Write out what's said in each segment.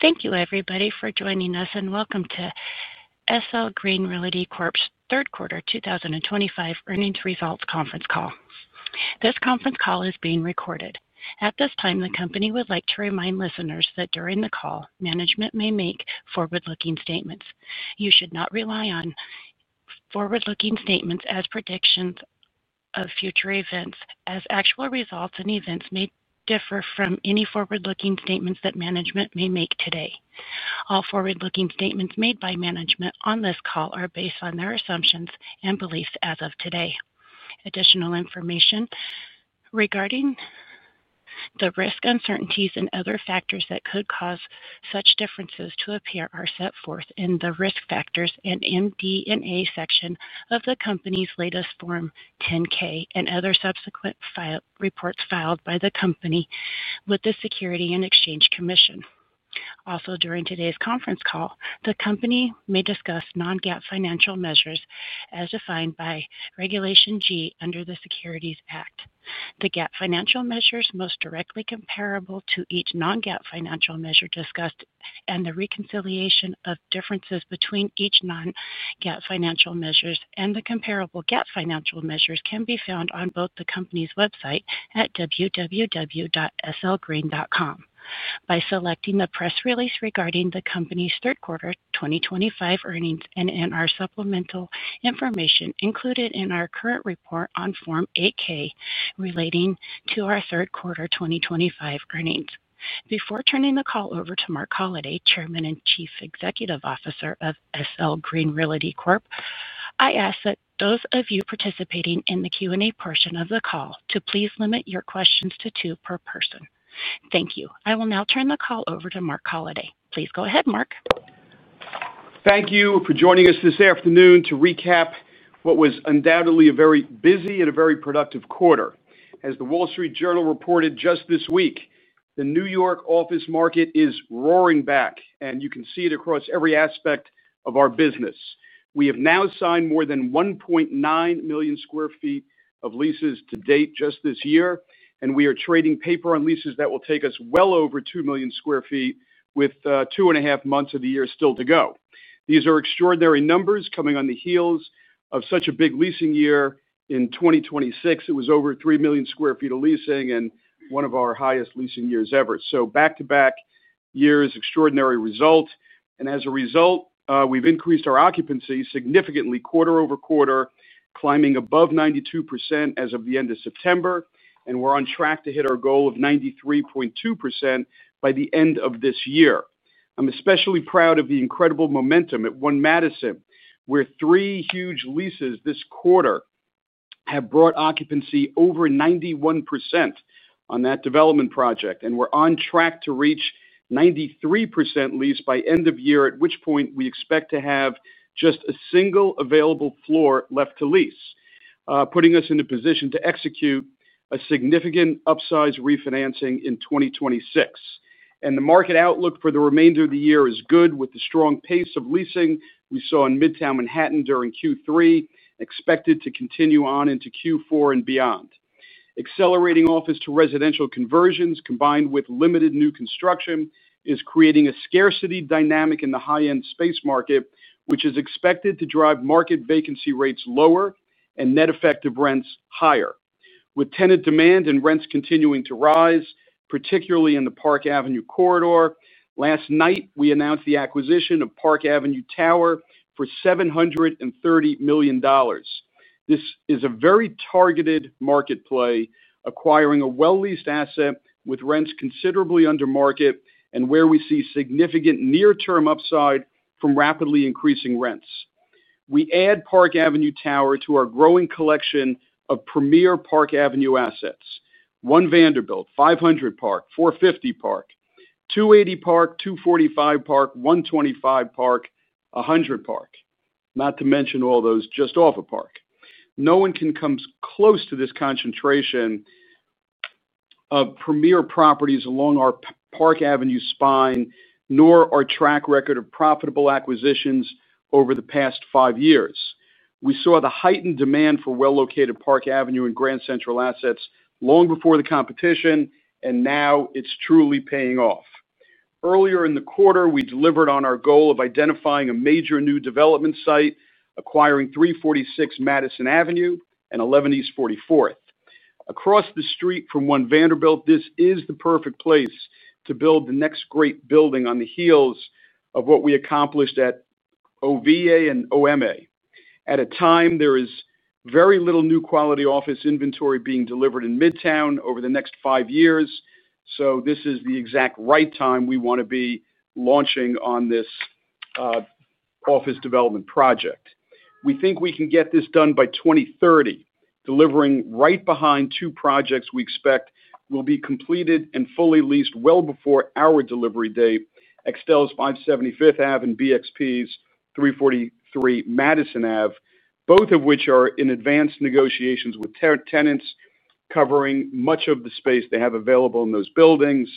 Thank you, everybody, for joining us, and welcome to SL Green Realty Corp.'s Third Quarter 2025 Earnings Results Conference Call. This conference call is being recorded. At this time, the company would like to remind listeners that during the call, management may make forward-looking statements. You should not rely on forward-looking statements as predictions of future events, as actual results and events may differ from any forward-looking statements that management may make today. All forward-looking statements made by management on this call are based on their assumptions and beliefs as of today. Additional information regarding the risks, uncertainties, and other factors that could cause such differences to appear are set forth in the risk factors and MD&A section of the company's latest Form 10-K and other subsequent reports filed by the company with the Securities and Exchange Commission. Also, during today's conference call, the company may discuss non-GAAP financial measures as defined by Regulation G under the Securities Act. The GAAP financial measures most directly comparable to each non-GAAP financial measure discussed and the reconciliation of differences between each non-GAAP financial measure and the comparable GAAP financial measures can be found on both the company's website at www.slgreen.com by selecting the press release regarding the company's third quarter 2025 earnings and in our supplemental information included in our current report on Form 8-K relating to our third quarter 2025 earnings. Before turning the call over to Marc Holliday, Chairman and Chief Executive Officer of SL Green Realty Corp., I ask that those of you participating in the Q&A portion of the call please limit your questions to two per person. Thank you. I will now turn the call over to Marc Holliday. Please go ahead, Marc. Thank you for joining us this afternoon to recap what was undoubtedly a very busy and a very productive quarter. As The Wall Street Journal reported just this week, the New York office market is roaring back, and you can see it across every aspect of our business. We have now signed more than 1.9 million sq ft of leases to date just this year, and we are trading paper on leases that will take us well over 2 million sq ft with 2.5 months of the year still to go. These are extraordinary numbers coming on the heels of such a big leasing year. In 2026, it was over 3 million sq ft of leasing and one of our highest leasing years ever. Back-to-back years, extraordinary result. As a result, we've increased our occupancy significantly quarter over quarter, climbing above 92% as of the end of September, and we're on track to hit our goal of 93.2% by the end of this year. I'm especially proud of the incredible momentum at One Madison, where three huge leases this quarter have brought occupancy over 91% on that development project, and we're on track to reach 93% leased by end of year, at which point we expect to have just a single available floor left to lease, putting us in a position to execute a significant upsize refinancing in 2026. The market outlook for the remainder of the year is good with the strong pace of leasing we saw in Midtown Manhattan during Q3, expected to continue on into Q4 and beyond. Accelerating office-to-residential conversions, combined with limited new construction, is creating a scarcity dynamic in the high-end space market, which is expected to drive market vacancy rates lower and net effective rents higher. With tenant demand and rents continuing to rise, particularly in the Park Avenue corridor, last night we announced the acquisition of Park Avenue Tower for $730 million. This is a very targeted market play, acquiring a well-leased asset with rents considerably under market and where we see significant near-term upside from rapidly increasing rents. We add Park Avenue Tower to our growing collection of premier Park Avenue assets: One Vanderbilt, 500 Park, 450 Park, 280 Park, 245 Park, 125 Park, 100 Park, not to mention all those just off of Park. No one can come close to this concentration of premier properties along our Park Avenue spine, nor our track record of profitable acquisitions over the past five years. We saw the heightened demand for well-located Park Avenue and Grand Central assets long before the competition, and now it's truly paying off. Earlier in the quarter, we delivered on our goal of identifying a major new development site, acquiring 346 Madison Avenue and 11 East 44th Street. Across the street from One Vanderbilt, this is the perfect place to build the next great building on the heels of what we accomplished at OVA and OMA. At a time, there is very little new quality office inventory being delivered in Midtown over the next five years, this is the exact right time we want to be launching on this office development project. We think we can get this done by 2030, delivering right behind two projects we expect will be completed and fully leased well before our delivery date: Excel's 575 Fifth Avenue and BXP's 343 Madison Avenue, both of which are in advanced negotiations with tenants covering much of the space they have available in those buildings,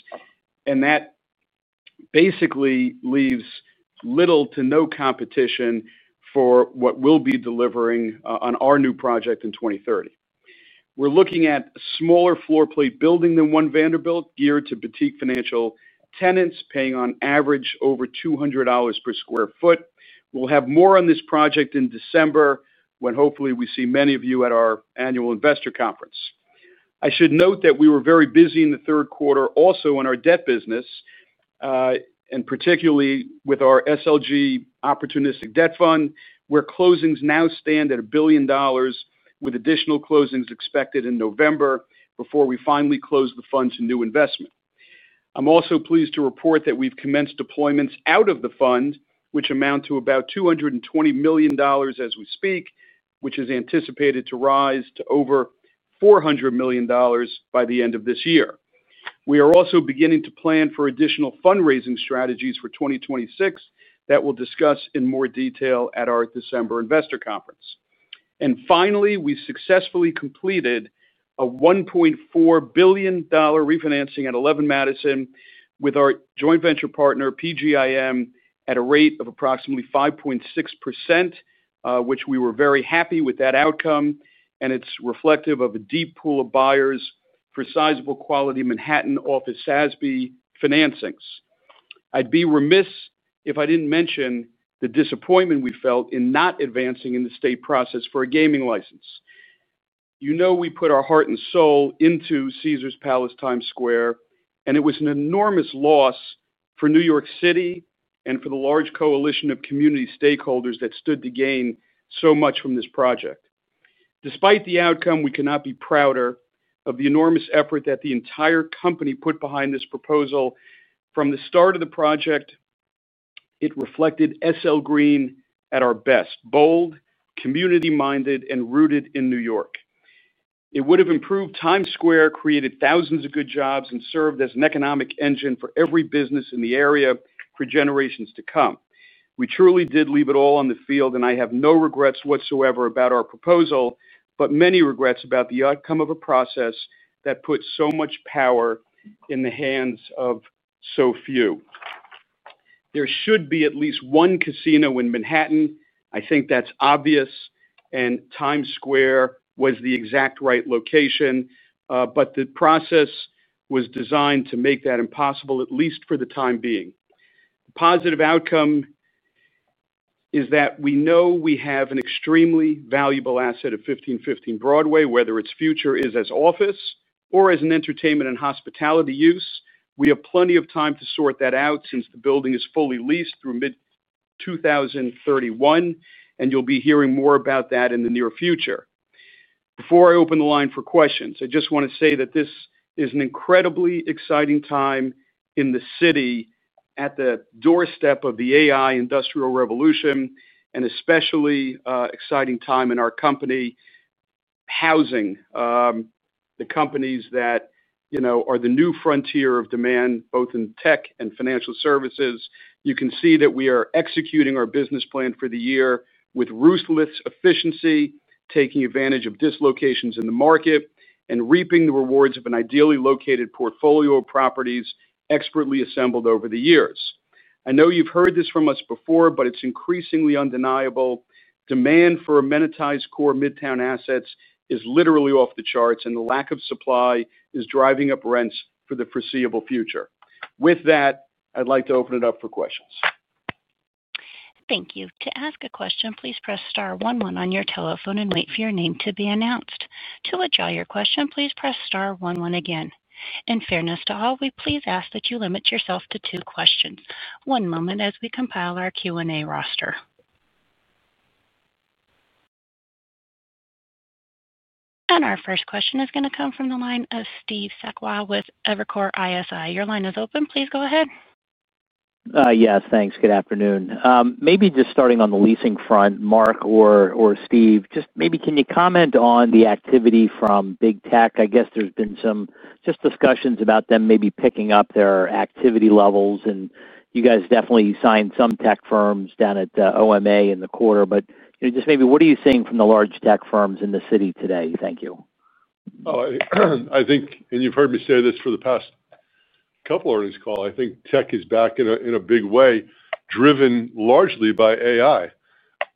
and that basically leaves little to no competition for what we'll be delivering on our new project in 2030. We're looking at a smaller floor plate building than One Vanderbilt, geared to boutique financial tenants paying on average over $200 per sq ft. We'll have more on this project in December when hopefully we see many of you at our annual investor conference. I should note that we were very busy in the third quarter also on our debt business, and particularly with our SLG opportunistic debt fund, where closings now stand at $1 billion with additional closings expected in November before we finally close the fund to new investment. I'm also pleased to report that we've commenced deployments out of the fund, which amount to about $220 million as we speak, which is anticipated to rise to over $400 million by the end of this year. We are also beginning to plan for additional fundraising strategies for 2026 that we'll discuss in more detail at our December investor conference. Finally, we successfully completed a $1.4 billion refinancing at 11 Madison with our joint venture partner PGIM at a rate of approximately 5.6%, which we were very happy with that outcome, and it's reflective of a deep pool of buyers for sizable quality Manhattan office SASB financings. I'd be remiss if I didn't mention the disappointment we felt in not advancing in the state process for a gaming license. You know we put our heart and soul into Caesars Palace Times Square, and it was an enormous loss for New York City and for the large coalition of community stakeholders that stood to gain so much from this project. Despite the outcome, we cannot be prouder of the enormous effort that the entire company put behind this proposal. From the start of the project, it reflected SL Green at our best: bold, community-minded, and rooted in New York. It would have improved Times Square, created thousands of good jobs, and served as an economic engine for every business in the area for generations to come. We truly did leave it all on the field, and I have no regrets whatsoever about our proposal, but many regrets about the outcome of a process that put so much power in the hands of so few. There should be at least one casino in Manhattan. I think that's obvious, and Times Square was the exact right location, but the process was designed to make that impossible, at least for the time being. The positive outcome is that we know we have an extremely valuable asset of 1515 Broadway, whether its future is as office or as an entertainment and hospitality use. We have plenty of time to sort that out since the building is fully leased through mid-2031, and you'll be hearing more about that in the near future. Before I open the line for questions, I just want to say that this is an incredibly exciting time in the city at the doorstep of the AI industrial revolution, and especially an exciting time in our company housing the companies that are the new frontier of demand, both in tech and financial services. You can see that we are executing our business plan for the year with ruthless efficiency, taking advantage of dislocations in the market, and reaping the rewards of an ideally located portfolio of properties expertly assembled over the years. I know you've heard this from us before, but it's increasingly undeniable. Demand for amenitized core Midtown assets is literally off the charts, and the lack of supply is driving up rents for the foreseeable future. With that, I'd like to open it up for questions. Thank you. To ask a question, please press star one-one on your telephone and wait for your name to be announced. To withdraw your question, please press star one-one again. In fairness to all, we please ask that you limit yourself to two questions. One moment as we compile our Q&A roster. Our first question is going to come from the line of Steve Sakwa with Evercore ISI. Your line is open. Please go ahead. Yes, thanks. Good afternoon. Maybe just starting on the leasing front, Marc or Steve, can you comment on the activity from big tech? I guess there's been some discussions about them maybe picking up their activity levels, and you guys definitely signed some tech firms down at OMA in the quarter. What are you seeing from the large tech firms in the city today? Thank you. I think, and you've heard me say this for the past couple of earnings calls, I think tech is back in a big way, driven largely by AI.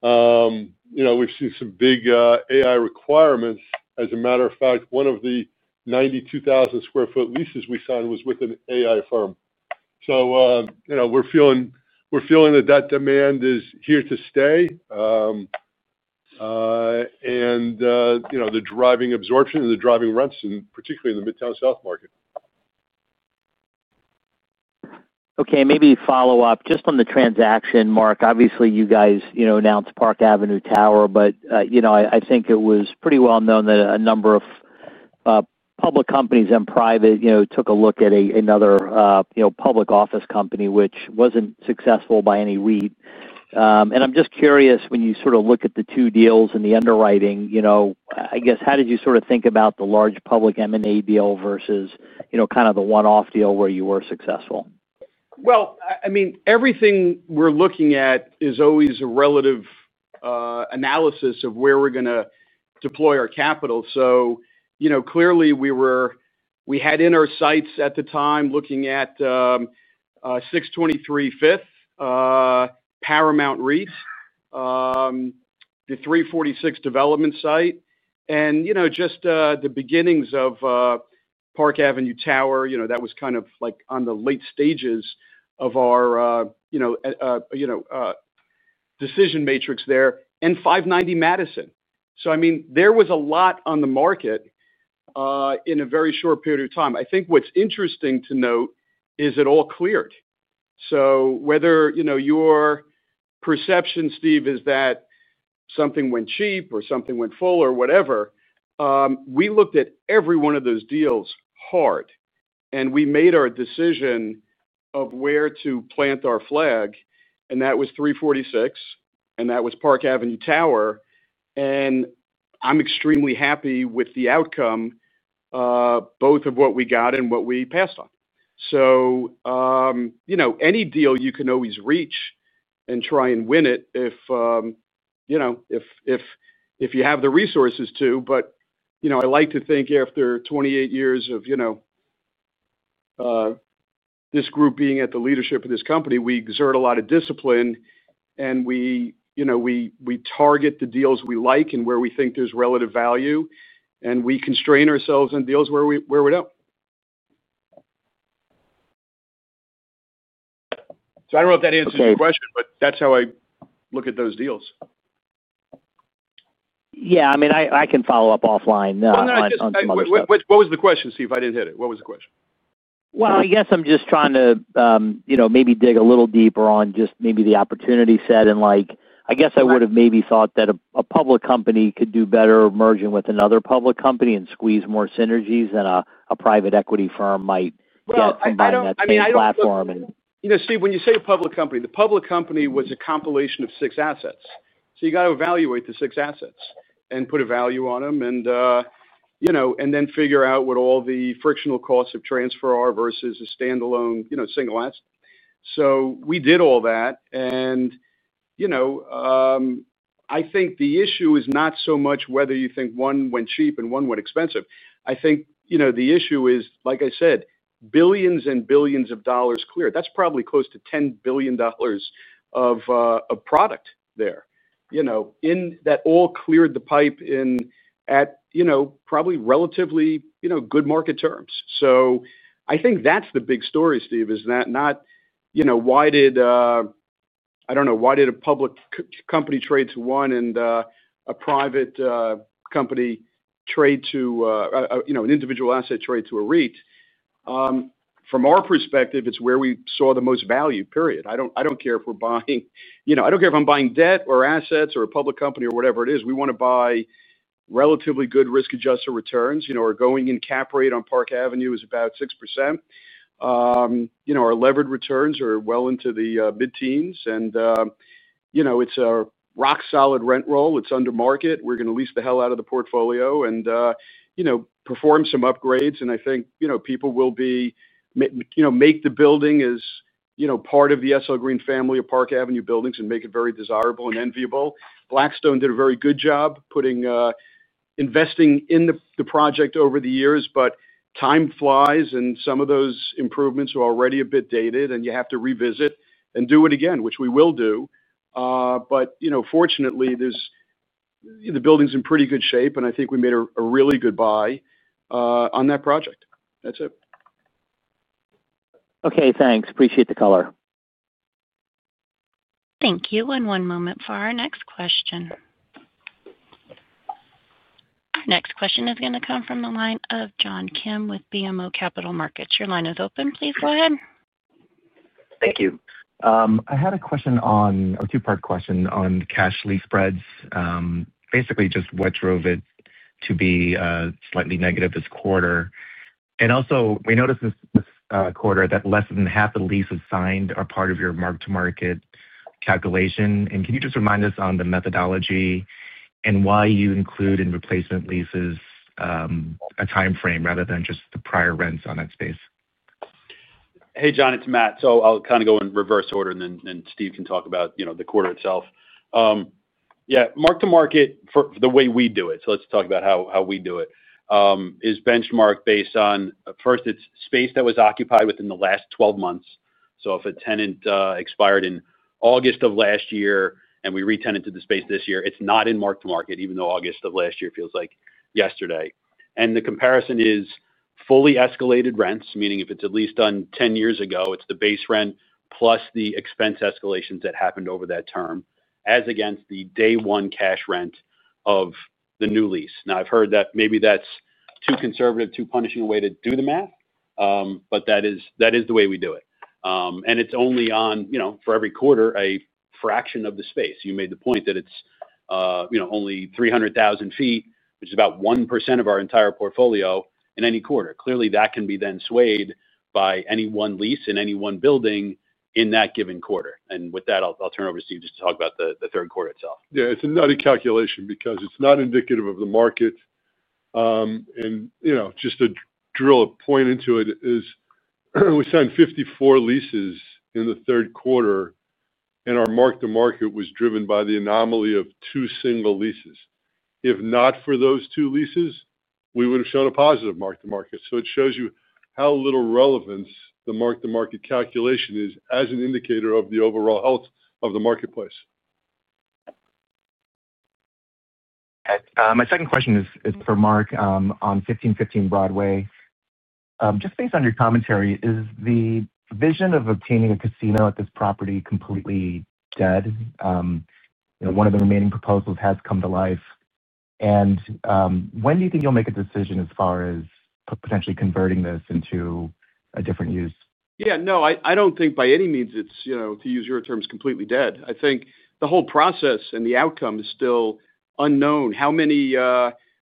We've seen some big AI requirements. As a matter of fact, one of the 92,000 sq ft leases we signed was with an AI firm. We're feeling that demand is here to stay, driving absorption and driving rents, particularly in the Midtown South market. Okay, maybe follow up just on the transaction, Marc. Obviously, you guys announced Park Avenue Tower, but I think it was pretty well known that a number of public companies and private took a look at another public office company, which wasn't successful by any reason. I'm just curious, when you sort of look at the two deals and the underwriting, I guess how did you sort of think about the large public M&A deal versus kind of the one-off deal where you were successful? Everything we're looking at is always a relative analysis of where we're going to deploy our capital. Clearly, we had in our sights at the time looking at 623 Fifth, Paramount Reeds, the 346 development site, and just the beginnings of Park Avenue Tower. That was kind of like on the late stages of our decision matrix there, and 590 Madison. There was a lot on the market in a very short period of time. I think what's interesting to note is it all cleared. Whether your perception, Steve, is that something went cheap or something went full or whatever, we looked at every one of those deals hard, and we made our decision of where to plant our flag, and that was 346, and that was Park Avenue Tower. I'm extremely happy with the outcome, both of what we got and what we passed on. Any deal you can always reach and try and win it if you have the resources to, but I like to think after 28 years of this group being at the leadership of this company, we exert a lot of discipline, and we target the deals we like and where we think there's relative value, and we constrain ourselves in deals where we don't. I don't know if that answers your question, but that's how I look at those deals. Yeah, I mean, I can follow up offline on some other questions. What was the question, Steve? I didn't hit it. What was the question? I'm just trying to maybe dig a little deeper on just maybe the opportunity set, and like I guess I would have maybe thought that a public company could do better merging with another public company and squeeze more synergies than a private equity firm might get from buying that same platform. Steve, when you say a public company, the public company was a compilation of six assets. You have to evaluate the six assets and put a value on them, and then figure out what all the frictional costs of transfer are versus a standalone single asset. We did all that, and I think the issue is not so much whether you think one went cheap and one went expensive. I think the issue is, like I said, billions and billions of dollars cleared. That's probably close to $10 billion of product there that all cleared the pipe in at probably relatively good market terms. I think that's the big story, Steve, not why did, I don't know, why did a public company trade to one and a private company trade to an individual asset trade to a REIT? From our perspective, it's where we saw the most value, period. I don't care if we're buying, I don't care if I'm buying debt or assets or a public company or whatever it is. We want to buy relatively good risk-adjusted returns. Our going in cap rate on Park Avenue is about 6%. Our levered returns are well into the mid-teens, and it's a rock-solid rent roll. It's under market. We're going to lease the hell out of the portfolio and perform some upgrades, and I think people will make the building as part of the SL Green family of Park Avenue buildings and make it very desirable and enviable. Blackstone did a very good job investing in the project over the years, but time flies and some of those improvements are already a bit dated, and you have to revisit and do it again, which we will do. Fortunately, the building's in pretty good shape, and I think we made a really good buy on that project. That's it. Okay, thanks. Appreciate the color. Thank you. One moment for our next question. Our next question is going to come from the line of John Kim with BMO Capital Markets. Your line is open. Please go ahead. Thank you. I had a question on, or two-part question, on cash lease spreads. Basically, just what drove it to be slightly negative this quarter? Also, we noticed this quarter that less than half the leases signed are part of your mark-to-market calculation. Can you just remind us on the methodology and why you include in replacement leases a timeframe rather than just the prior rents on that space? Hey, John. It's Matt. I'll kind of go in reverse order, and then Steve can talk about the quarter itself. Yeah, mark-to-market for the way we do it, let's talk about how we do it, is benchmarked based on, first, it's space that was occupied within the last 12 months. If a tenant expired in August of last year and we re-tenanted the space this year, it's not in mark-to-market, even though August of last year feels like yesterday. The comparison is fully escalated rents, meaning if it's a lease done 10 years ago, it's the base rent plus the expense escalations that happened over that term as against the day-one cash rent of the new lease. I've heard that maybe that's too conservative, too punishing a way to do the math, but that is the way we do it. It's only on, you know, for every quarter, a fraction of the space. You made the point that it's only 300,000 feet, which is about 1% of our entire portfolio in any quarter. Clearly, that can be then swayed by any one lease in any one building in that given quarter. With that, I'll turn it over to Steve just to talk about the third quarter itself. Yeah, it's a nutty calculation because it's not indicative of the market. Just to drill a point into it, we signed 54 leases in the third quarter, and our mark-to-market was driven by the anomaly of two single leases. If not for those two leases, we would have shown a positive mark-to-market. It shows you how little relevance the mark-to-market calculation is as an indicator of the overall health of the marketplace. My second question is for Marc on 1515 Broadway. Just based on your commentary, is the vision of obtaining a casino at this property completely dead? One of the remaining proposals has come to life. When do you think you'll make a decision as far as potentially converting this into a different use? Yeah, no, I don't think by any means it's, you know, to use your terms, completely dead. I think the whole process and the outcome is still unknown. How many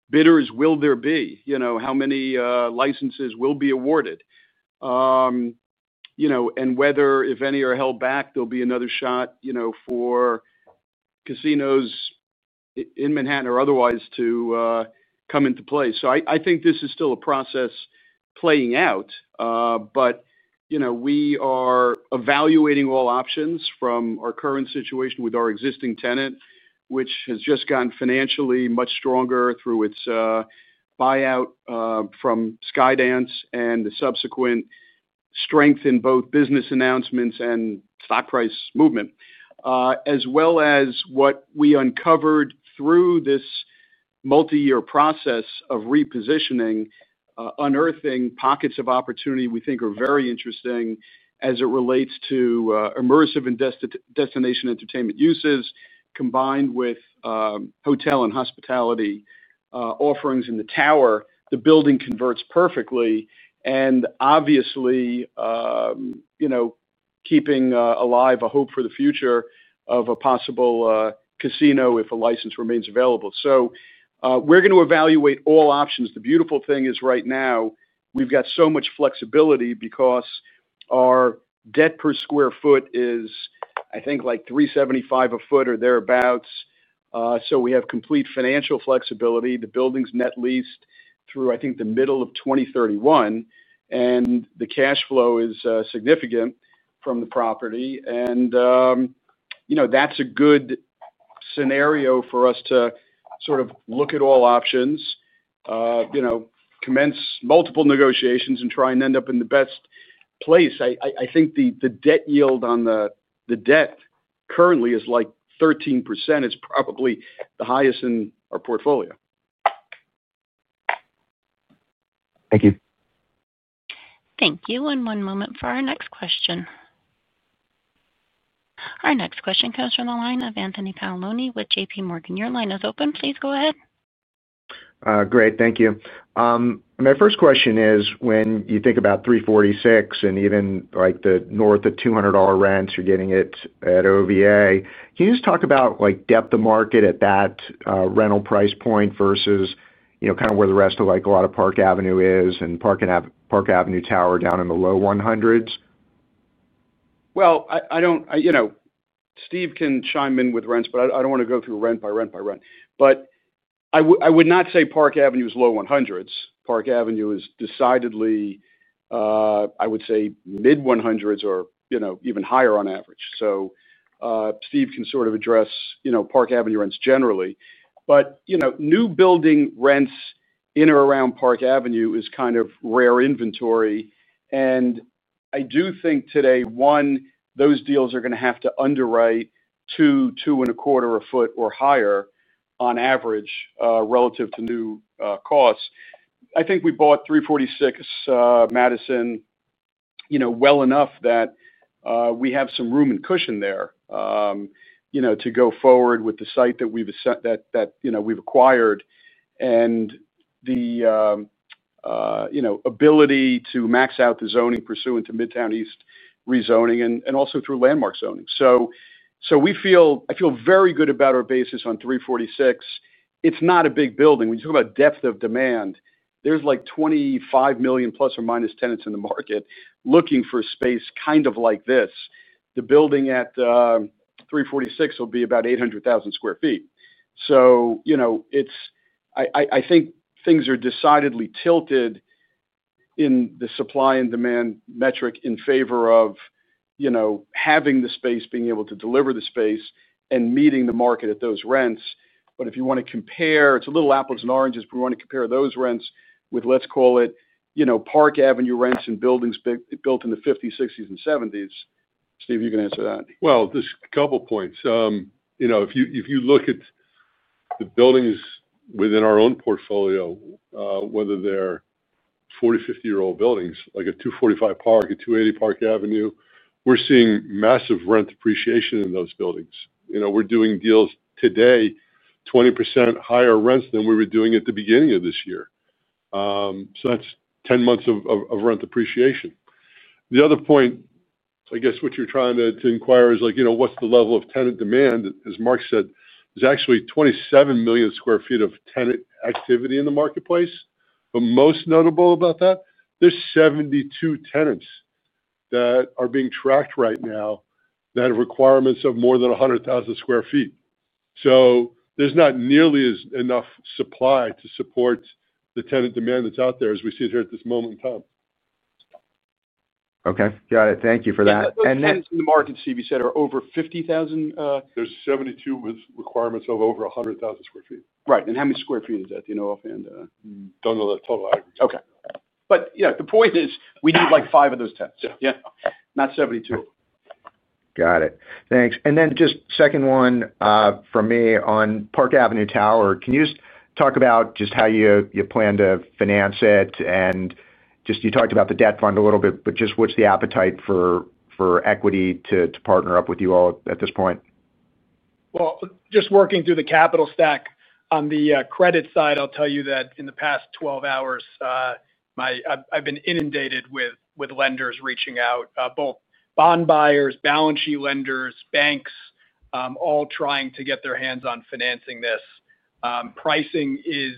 bidders will there be? You know, how many licenses will be awarded? You know, and whether, if any are held back, there'll be another shot, you know, for casinos in Manhattan or otherwise to come into play. I think this is still a process playing out, but you know, we are evaluating all options from our current situation with our existing tenant, which has just gotten financially much stronger through its buyout from Skydance and the subsequent strength in both business announcements and stock price movement, as well as what we uncovered through this multi-year process of repositioning, unearthing pockets of opportunity we think are very interesting as it relates to immersive and destination entertainment uses combined with hotel and hospitality offerings in the tower. The building converts perfectly, and obviously, you know, keeping alive a hope for the future of a possible casino if a license remains available. We're going to evaluate all options. The beautiful thing is right now, we've got so much flexibility because our debt per sq ft is, I think, like $375 a foot or thereabouts. We have complete financial flexibility. The building's net leased through, I think, the middle of 2031, and the cash flow is significant from the property. That's a good scenario for us to sort of look at all options, commence multiple negotiations, and try and end up in the best place. I think the debt yield on the debt currently is like 13%. It's probably the highest in our portfolio. Thank you. Thank you. One moment for our next question. Our next question comes from the line of Anthony Paolone with JPMorgan. Your line is open. Please go ahead. Great, thank you. My first question is, when you think about 346 Madison and even like the north of $200 rents you're getting at One VA, can you just talk about like depth of market at that rental price point versus, you know, kind of where the rest of like a lot of Park Avenue is and Park Avenue Tower down in the low $100s? I don't, you know, Steve can chime in with rents, but I don't want to go through rent by rent by rent. I would not say Park Avenue is low 100s. Park Avenue is decidedly, I would say, mid-100s or, you know, even higher on average. Steve can sort of address, you know, Park Avenue rents generally. New building rents in or around Park Avenue is kind of rare inventory. I do think today, one, those deals are going to have to underwrite to $200, $225 a foot or higher on average relative to new costs. I think we bought 346 Madison, you know, well enough that we have some room and cushion there, you know, to go forward with the site that we've acquired and the, you know, ability to max out the zoning pursuant to Midtown East rezoning and also through landmark zoning. I feel very good about our basis on 346. It's not a big building. When you talk about depth of demand, there's like 25 million plus or minus tenants in the market looking for a space kind of like this. The building at 346 will be about 800,000 sq ft. I think things are decidedly tilted in the supply and demand metric in favor of, you know, having the space, being able to deliver the space, and meeting the market at those rents. If you want to compare, it's a little apples and oranges, but we want to compare those rents with, let's call it, you know, Park Avenue rents and buildings built in the 1950s, 1960s, and 191970s. Steve, you can answer that. There's a couple of points. If you look at the buildings within our own portfolio, whether they're 40, 50-year-old buildings like a 245 Park, a 280 Park Avenue, we're seeing massive rent appreciation in those buildings. We're doing deals today, 20% higher rents than we were doing at the beginning of this year. That's 10 months of rent appreciation. The other point, I guess what you're trying to inquire is like, you know, what's the level of tenant demand? As Marc said, there's actually 27 million sq ft of tenant activity in the marketplace. Most notable about that, there's 72 tenants that are being tracked right now that have requirements of more than 100,000 sq ft. There's not nearly enough supply to support the tenant demand that's out there as we sit here at this moment in time. Okay, got it. Thank you for that. The tenants in the market, Steve, you said are over 50,000. There are 72 with requirements of over 100,000 sq ft. Right. How many sq ft is that, do you know offhand? Don't know the total aggregate. The point is we need like five of those tenants, not 72. Got it. Thanks. Just a second one from me on Park Avenue Tower. Can you talk about how you plan to finance it? You talked about the debt fund a little bit, but what's the appetite for equity to partner up with you all at this point? Just working through the capital stack on the credit side, I'll tell you that in the past 12 hours, I've been inundated with lenders reaching out, both bond buyers, balance sheet lenders, banks, all trying to get their hands on financing this. Pricing is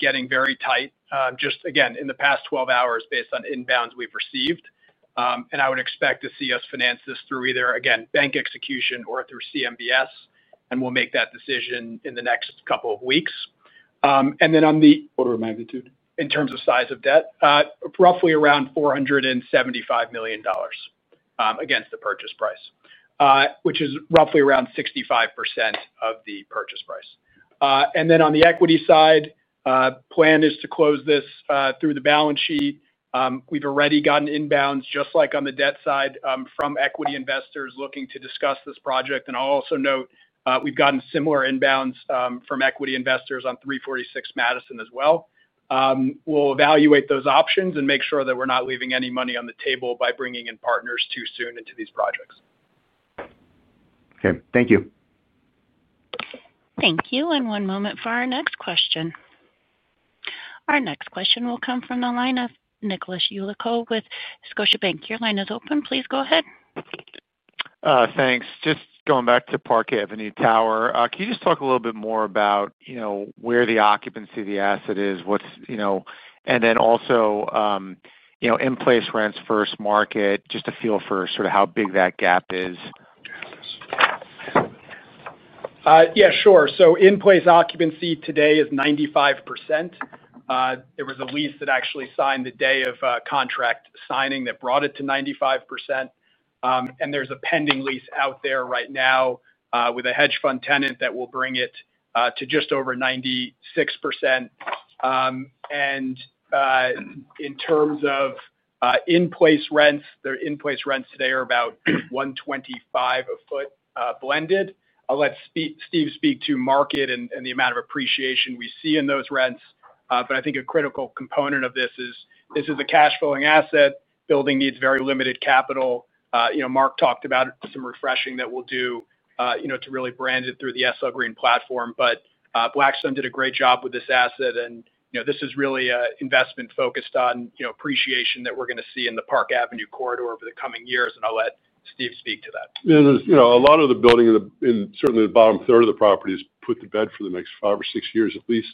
getting very tight, just again in the past 12 hours based on inbounds we've received. I would expect to see us finance this through either bank execution or through CMBS. We'll make that decision in the next couple of weeks. On the order of magnitude, in terms of size of debt, roughly around $475 million against the purchase price, which is roughly around 65% of the purchase price. On the equity side, the plan is to close this through the balance sheet. We've already gotten inbounds, just like on the debt side, from equity investors looking to discuss this project. I'll also note we've gotten similar inbounds from equity investors on 346 Madison as well. We'll evaluate those options and make sure that we're not leaving any money on the table by bringing in partners too soon into these projects. Okay, thank you. Thank you. One moment for our next question. Our next question will come from the line of Nicholas Yulico with Scotiabank. Your line is open. Please go ahead. Thanks. Just going back to Park Avenue Tower, can you just talk a little bit more about where the occupancy of the asset is? What's, you know, and then also, you know, in-place rents versus market, just a feel for sort of how big that gap is? Yeah, sure. In-place occupancy today is 95%. There was a lease that actually signed the day of contract signing that brought it to 95%. There's a pending lease out there right now with a hedge fund tenant that will bring it to just over 96%. In terms of in-place rents, the in-place rents today are about $125 a foot blended. I'll let Steve speak to market and the amount of appreciation we see in those rents. I think a critical component of this is this is a cash-flowing asset. The building needs very limited capital. Marc talked about some refreshing that we'll do to really brand it through the SL Green platform. Blackstone did a great job with this asset. This is really an investment focused on appreciation that we're going to see in the Park Avenue corridor over the coming years. I'll let Steve speak to that. Yeah, there's a lot of the building in certainly the bottom third of the property is put to bed for the next five or six years at least.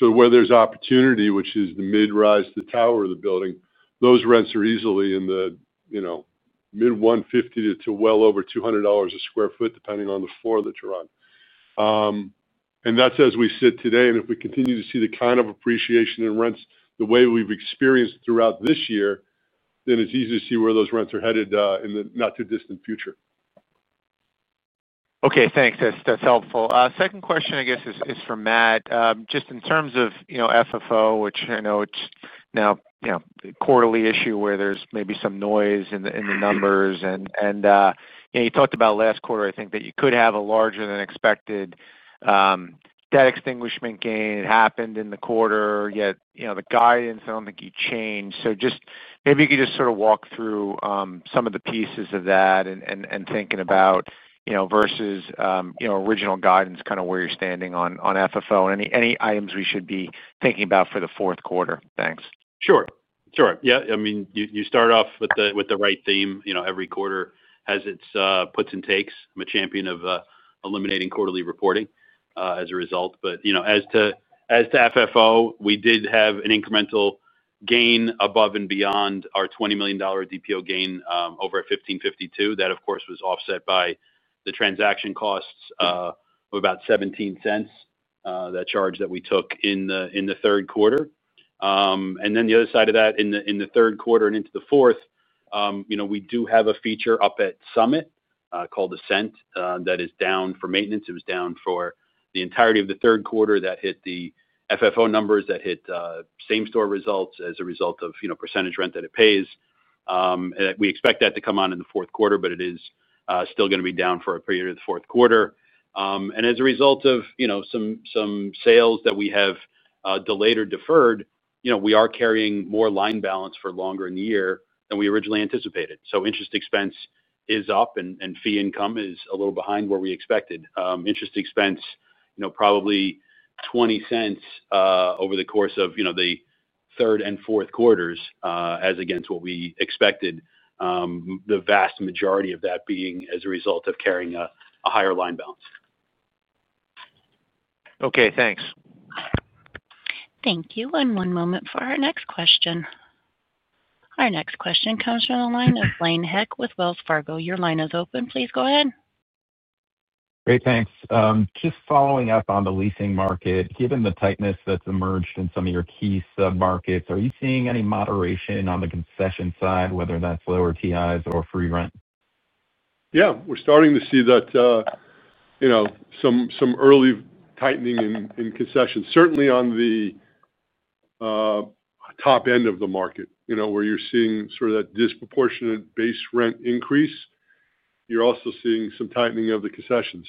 Where there's opportunity, which is the mid-rise to the tower of the building, those rents are easily in the mid-$150 to well over $200 a sq ft, depending on the floor that you're on. That's as we sit today. If we continue to see the kind of appreciation in rents the way we've experienced throughout this year, then it's easy to see where those rents are headed in the not-too-distant future. Okay, thanks. That's helpful. Second question, I guess, is for Matt, just in terms of, you know, FFO, which I know it's now, you know, the quarterly issue where there's maybe some noise in the numbers. You talked about last quarter, I think, that you could have a larger than expected debt extinguishment gain. It happened in the quarter, yet, you know, the guidance, I don't think you changed. Just maybe you could sort of walk through some of the pieces of that and thinking about, you know, versus, you know, original guidance, kind of where you're standing on FFO and any items we should be thinking about for the fourth quarter. Thanks. Sure. Yeah, I mean, you start off with the right theme. You know, every quarter has its puts and takes. I'm a champion of eliminating quarterly reporting as a result. As to FFO, we did have an incremental gain above and beyond our $20 million DPO gain over at 1552. That, of course, was offset by the transaction costs of about $0.17, that charge that we took in the third quarter. The other side of that, in the third quarter and into the fourth, you know, we do have a feature up at Summit called Ascent that is down for maintenance. It was down for the entirety of the third quarter that hit the FFO numbers, that hit same store results as a result of, you know, percentage rent that it pays. We expect that to come on in the fourth quarter, but it is still going to be down for a period of the fourth quarter. As a result of, you know, some sales that we have delayed or deferred, we are carrying more line balance for longer in the year than we originally anticipated. Interest expense is up and fee income is a little behind where we expected. Interest expense, you know, probably $0.20 over the course of the third and fourth quarters as against what we expected, the vast majority of that being as a result of carrying a higher line balance. Okay, thanks. Thank you. One moment for our next question. Our next question comes from the line of Blaine Heck with Wells Fargo. Your line is open. Please go ahead. Great, thanks. Just following up on the leasing market, given the tightness that's emerged in some of your key submarkets, are you seeing any moderation on the concession side, whether that's lower TIs or free rent? Yeah, we're starting to see that, you know, some early tightening in concessions, certainly on the top end of the market, where you're seeing sort of that disproportionate base rent increase. You're also seeing some tightening of the concessions.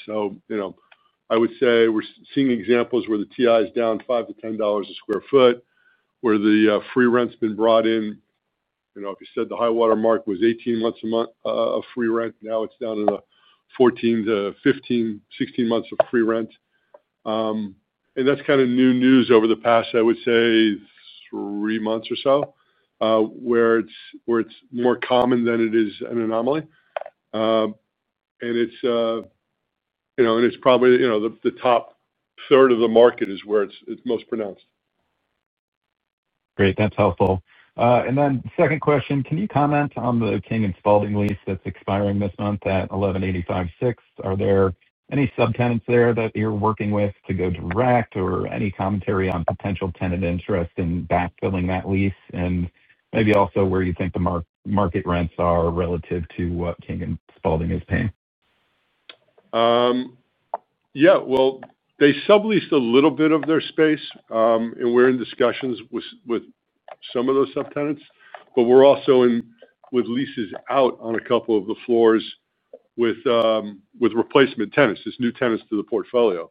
I would say we're seeing examples where the TI is down $5 sq ft-$10 a sq ft, where the free rent's been brought in. If you said the high water mark was 18 months of free rent, now it's down to the 14 -15, 16 months of free rent. That's kind of new news over the past, I would say, three months or so, where it's more common than it is an anomaly. It's probably the top third of the market where it's most pronounced. Great, that's helpful. Second question, can you comment on the King & Spalding lease that's expiring this month at 1185 Sixth? Are there any subtenants there that you're working with to go direct, or any commentary on potential tenant interest in backfilling that lease? Maybe also where you think the market rents are relative to what King & Spalding is paying? They subleased a little bit of their space, and we're in discussions with some of those subtenants. We're also in with leases out on a couple of the floors with replacement tenants, just new tenants to the portfolio.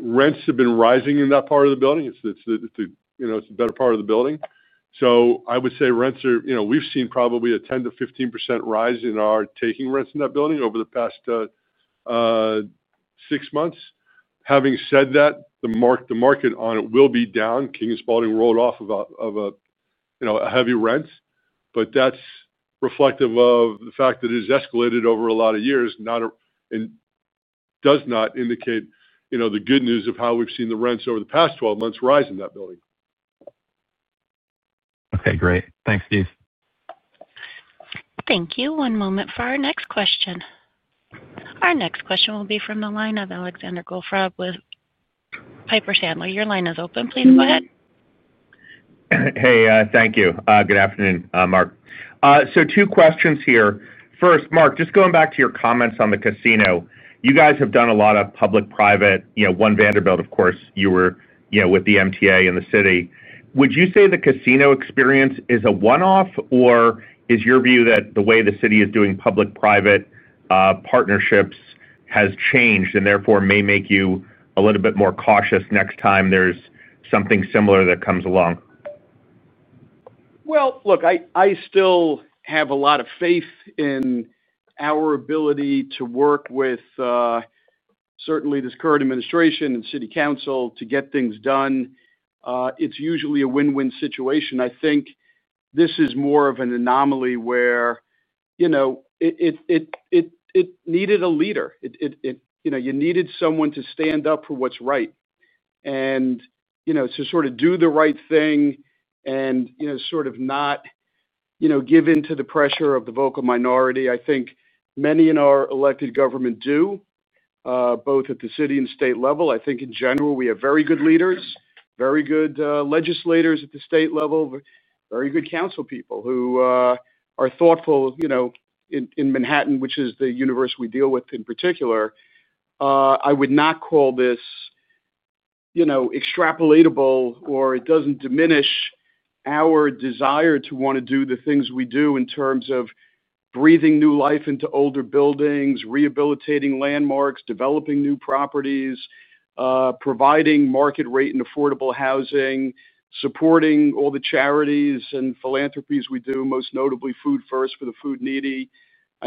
Rents have been rising in that part of the building. It's a better part of the building. I would say rents are, you know, we've seen probably a 10%-15% rise in our taking rents in that building over the past six months. Having said that, the market on it will be down. King & Spalding rolled off of a, you know, a heavy rent, but that's reflective of the fact that it has escalated over a lot of years, and does not indicate, you know, the good news of how we've seen the rents over the past 12 months rise in that building. Okay. 10%-15%, great. Thanks, Steve. Thank you. One moment for our next question. Our next question will be from the line of Alexander Goldfarb with Piper Sandler. Your line is open. Please go ahead. Thank you. Good afternoon, Marc. Two questions here. First, Marc, just going back to your comments on the casino, you guys have done a lot of public-private, you know, One Vanderbilt, of course, you were with the MTA in the city. Would you say the casino experience is a one-off, or is your view that the way the city is doing public-private partnerships has changed and therefore may make you a little bit more cautious next time there's something similar that comes along? I still have a lot of faith in our ability to work with certainly this current administration and city council to get things done. It's usually a win-win situation. I think this is more of an anomaly where it needed a leader. You needed someone to stand up for what's right, to sort of do the right thing and not give in to the pressure of the vocal minority, which I think many in our elected government do, both at the city and state level. I think in general, we have very good leaders, very good legislators at the state level, very good council people who are thoughtful in Manhattan, which is the universe we deal with in particular. I would not call this extrapolatable or say it diminishes our desire to want to do the things we do in terms of breathing new life into older buildings, rehabilitating landmarks, developing new properties, providing market-rate and affordable housing, supporting all the charities and philanthropies we do, most notably Food First for the food needy.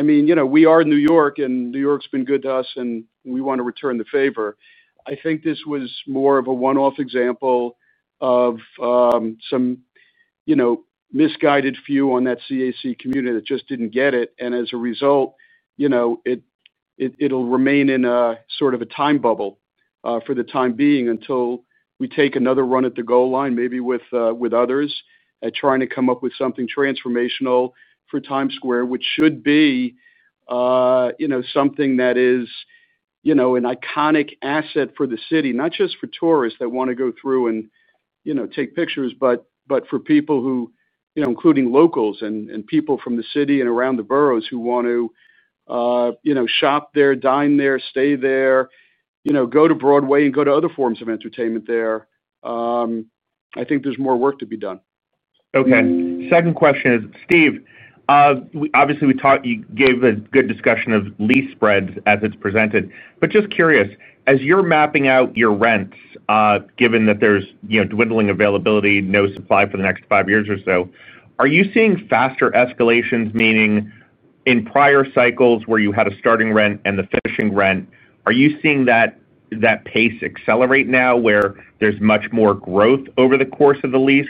We are in New York, and New York's been good to us, and we want to return the favor. I think this was more of a one-off example of some misguided view on that CAC community that just didn't get it. As a result, it'll remain in a sort of a time bubble for the time being until we take another run at the goal line, maybe with others, at trying to come up with something transformational for Times Square, which should be something that is an iconic asset for the city, not just for tourists that want to go through and take pictures, but for people who, including locals and people from the city and around the boroughs who want to shop there, dine there, stay there, go to Broadway and go to other forms of entertainment there. I think there's more work to be done. Okay. Second question is, Steve, obviously, we talked, you gave a good discussion of lease spreads as it's presented. Just curious, as you're mapping out your rents, given that there's, you know, dwindling availability, no supply for the next five years or so, are you seeing faster escalations, meaning in prior cycles where you had a starting rent and the finishing rent, are you seeing that that pace accelerate now where there's much more growth over the course of the lease,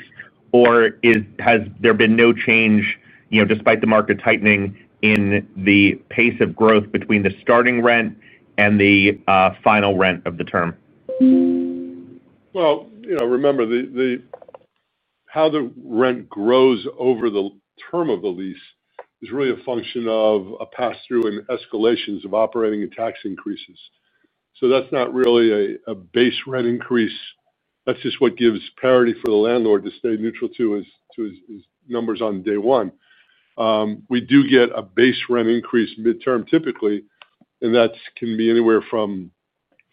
or has there been no change, you know, despite the market tightening in the pace of growth between the starting rent and the final rent of the term? Remember how the rent grows over the term of the lease is really a function of a pass-through and escalations of operating and tax increases. That's not really a base rent increase. That just gives parity for the landlord to stay neutral to his numbers on day one. We do get a base rent increase mid-term typically, and that can be anywhere from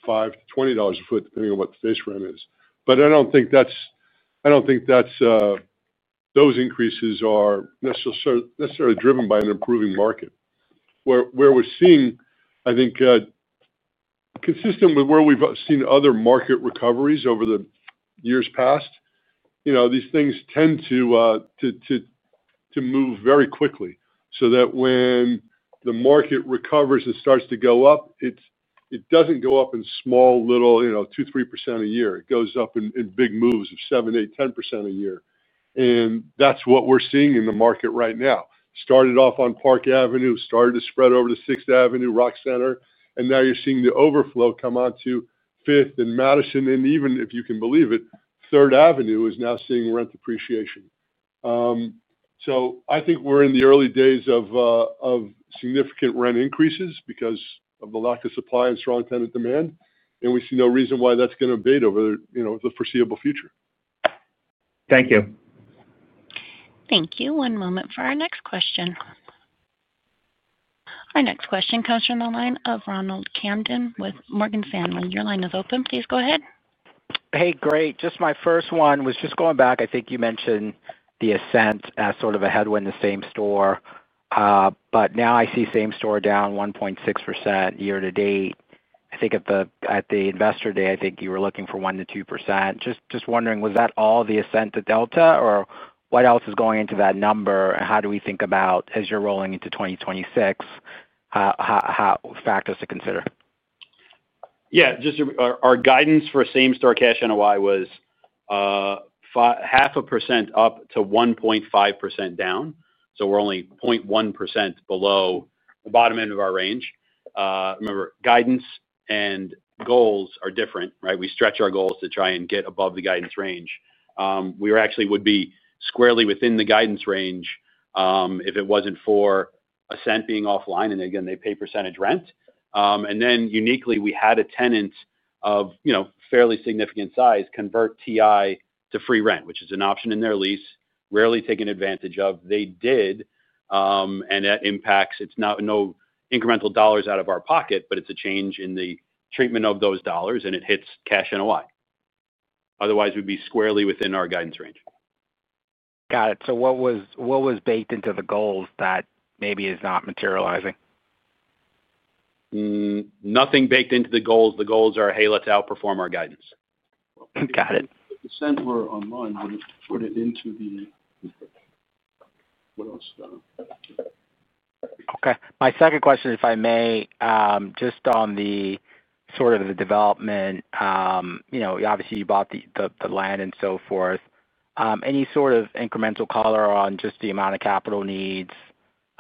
$5-$20 a foot, depending on what the base rent is. I don't think those increases are necessarily driven by an improving market. Where we're seeing, I think, consistent with where we've seen other market recoveries over the years past, these things tend to move very quickly. When the market recovers and starts to go up, it doesn't go up in small, little, 2%, 3% a year. It goes up in big moves of 7%, 8%, 10% a year. That's what we're seeing in the market right now. Started off on Park Avenue, started to spread over to 6th Avenue, Rock Center, and now you're seeing the overflow come onto 5th and Madison, and even if you can believe it, 3rd Avenue is now seeing rent appreciation. I think we're in the early days of significant rent increases because of the lack of supply and strong tenant demand, and we see no reason why that's going to abate over the foreseeable future. Thank you. Thank you. One moment for our next question. Our next question comes from the line of Ronald Kamden with Morgan Stanley. Your line is open. Please go ahead. Hey, great. My first one was just going back. I think you mentioned the Ascent as sort of a headwind to SameStore, but now I see SameStore down 1.6% year-to-date. I think at the investor day, you were looking for 1% -2%. Just wondering, was that all the Ascent to delta or what else is going into that number? How do we think about, as you're rolling into 2026, how factors to consider? Yeah, just our guidance for SameStore cash NOI was 0.5% up to 1.5% down. We're only 0.1% below the bottom end of our range. Remember, guidance and goals are different, right? We stretch our goals to try and get above the guidance range. We actually would be squarely within the guidance range if it wasn't for Ascent being offline, and again, they pay percentage rent. Uniquely, we had a tenant of, you know, fairly significant size convert TI to free rent, which is an option in their lease, rarely taken advantage of. They did, and that impacts, it's not no incremental dollars out of our pocket, but it's a change in the treatment of those dollars, and it hits cash NOI. Otherwise, we'd be squarely within our guidance range. What was baked into the goals that maybe is not materializing? Nothing baked into the goals. The goals are, hey, let's outperform our guidance. Got it. Ascent, we're online. We'll just put it into the, what else? Okay. My second question, if I may, just on the sort of the development, you know, obviously you bought the land and so forth. Any sort of incremental color on just the amount of capital needs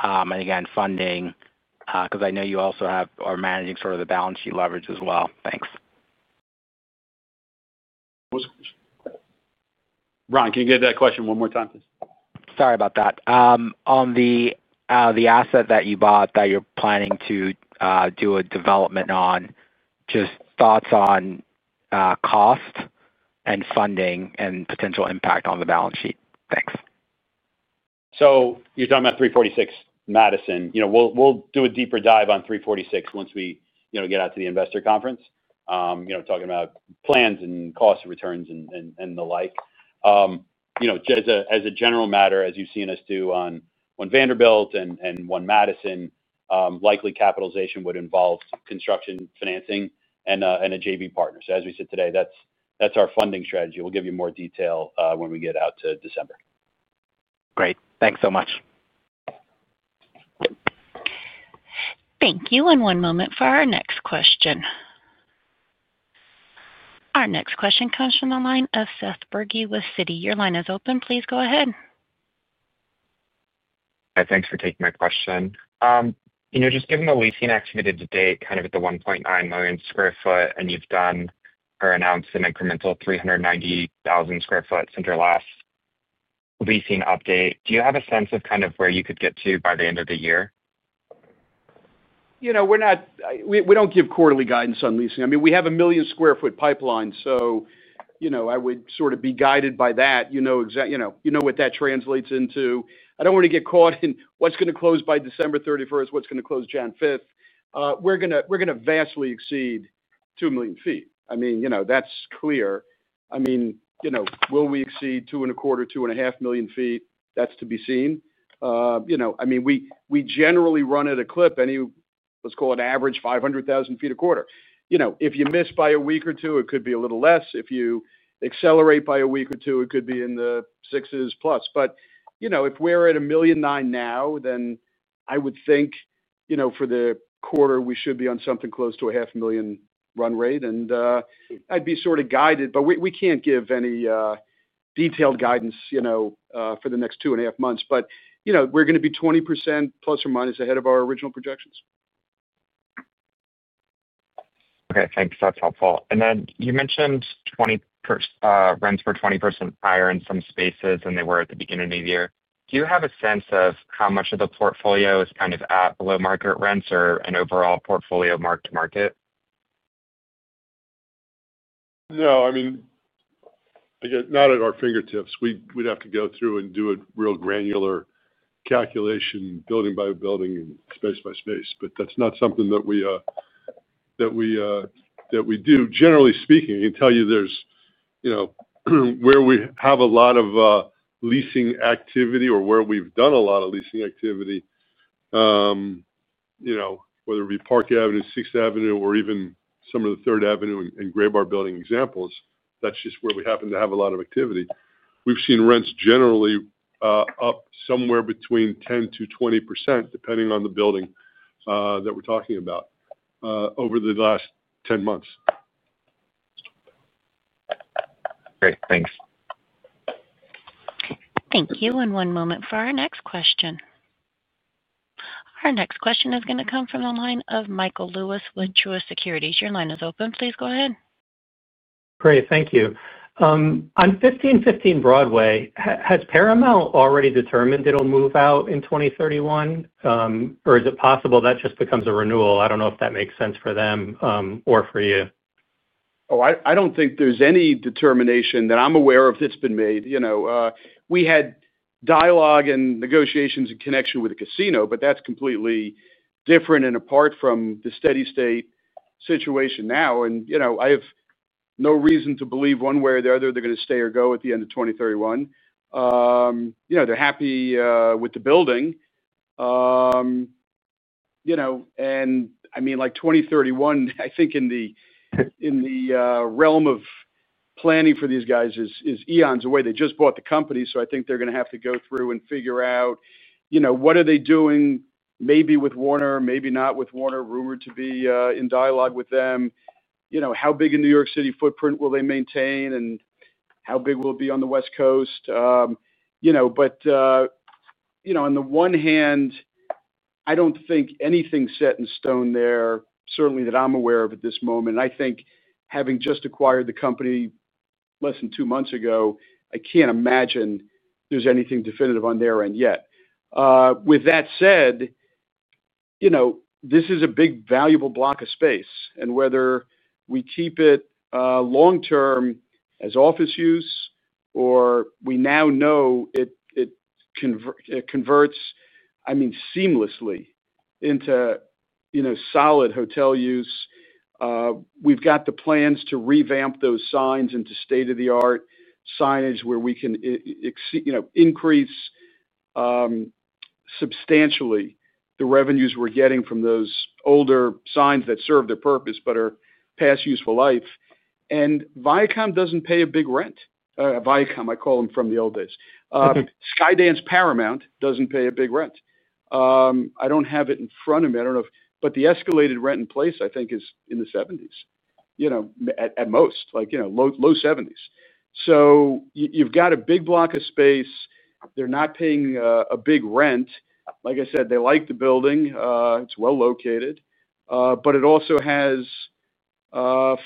and again, funding, because I know you also are managing sort of the balance sheet leverage as well. Thanks. Ron, can you get that question one more time, please? Sorry about that. On the asset that you bought that you're planning to do a development on, just thoughts on cost and funding and potential impact on the balance sheet. Thanks. You're talking about 346 Madison. We'll do a deeper dive on 346 once we get out to the investor conference, talking about plans and costs of returns and the like. As a general matter, as you've seen us do on One Vanderbilt and One Madison, likely capitalization would involve construction financing and a JV partner. As we said today, that's our funding strategy. We'll give you more detail when we get out to December. Great. Thanks so much. Thank you. One moment for our next question. Our next question comes from the line of Seth Berge with Citi. Your line is open. Please go ahead. Thanks for taking my question. Just given the leasing activity to date, kind of at the 1.9 million sq ft, and you've done or announced an incremental 390,000 sq ft since your last leasing update, do you have a sense of kind of where you could get to by the end of the year? We're not, we don't give quarterly guidance on leasing. We have a million sq ft pipeline, so I would sort of be guided by that. You know exactly what that translates into. I don't want to get caught in what's going to close by December 31, what's going to close June 5. We're going to vastly exceed 2 million feet, that's clear. Will we exceed 2.25, 2.5 million feet? That's to be seen. We generally run at a clip, let's call it average, 500,000 feet a quarter. If you miss by a week or two, it could be a little less. If you accelerate by a week or two, it could be in the sixes plus. If we're at 1.9 million now, then I would think for the quarter, we should be on something close to a half million run rate. I'd be sort of guided, but we can't give any detailed guidance for the next 2.5 months. We're going to be 20%+ or minus ahead of our original projections. Okay, thanks. That's helpful. You mentioned rents were 20% higher in some spaces than they were at the beginning of the year. Do you have a sense of how much of the portfolio is kind of at below market rents or an overall portfolio marked to market? No, I mean, not at our fingertips. We'd have to go through and do a real granular calculation, building by building and space by space. That's not something that we do. Generally speaking, I can tell you where we have a lot of leasing activity or where we've done a lot of leasing activity, whether it be Park Avenue, 6th Avenue, or even some of the 3rd Avenue and Graybar Building examples, that's just where we happen to have a lot of activity. We've seen rents generally up somewhere between 10%- 20%, depending on the building that we're talking about, over the last 10 months. Great, thanks. Thank you. One moment for our next question. Our next question is going to come from the line of Michael Lewis with Truist Securities. Your line is open. Please go ahead. Great, thank you. On 1515 Broadway, has Paramount already determined it'll move out in 2031, or is it possible that just becomes a renewal? I don't know if that makes sense for them or for you. Oh, I don't think there's any determination that I'm aware of that's been made. We had dialogue and negotiations in connection with the casino, but that's completely different and apart from the steady state situation now. I have no reason to believe one way or the other they're going to stay or go at the end of 2031. They're happy with the building. I mean, like 2031, I think in the realm of planning for these guys is eons away. They just bought the company, so I think they're going to have to go through and figure out what are they doing maybe with Warner, maybe not with Warner, rumored to be in dialogue with them. How big a New York City footprint will they maintain and how big will it be on the West Coast? On the one hand, I don't think anything's set in stone there, certainly that I'm aware of at this moment. I think having just acquired the company less than two months ago, I can't imagine there's anything definitive on their end yet. With that said, this is a big valuable block of space. Whether we keep it long-term as office use or we now know it converts, I mean, seamlessly into solid hotel use, we've got the plans to revamp those signs into state-of-the-art signage where we can increase substantially the revenues we're getting from those older signs that serve their purpose but are past useful life. Viacom doesn't pay a big rent. Viacom, I call them from the old days. Skydance Paramount doesn't pay a big rent. I don't have it in front of me. I don't know if, but the escalated rent in place, I think, is in the 1970s, at most, like, low 1970s. You've got a big block of space. They're not paying a big rent. Like I said, they like the building. It's well located, but it also has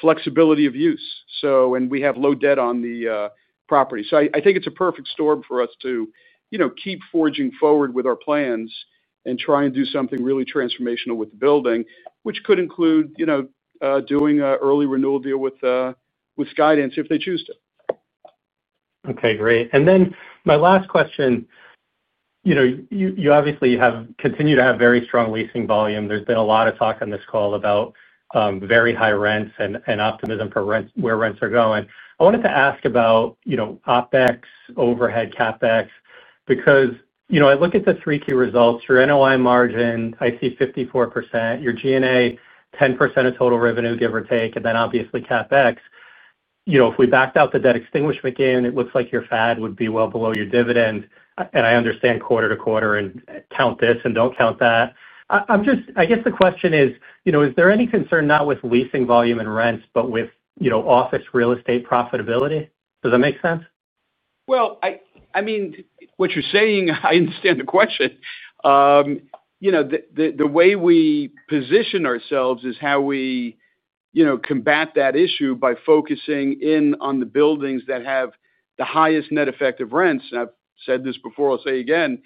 flexibility of use. We have low debt on the property. I think it's a perfect storm for us to keep forging forward with our plans and try and do something really transformational with the building, which could include doing an early renewal deal with Skydance if they choose to. Okay, great. My last question, you obviously have continued to have very strong leasing volume. There's been a lot of talk on this call about very high rents and optimism for where rents are going. I wanted to ask about OpEx, overhead, CapEx, because I look at the three key results. Your NOI margin, I see 54%. Your G&A, 10% of total revenue, give or take, and then obviously CapEx. If we backed out the debt extinguishment gain, it looks like your FAD would be well below your dividend. I understand quarter to quarter and count this and don't count that. I guess the question is, is there any concern not with leasing volume and rents, but with office real estate profitability? Does that make sense? I mean, what you're saying, I understand the question. You know, the way we position ourselves is how we, you know, combat that issue by focusing in on the buildings that have the highest net effective rents. I've said this before, I'll say again,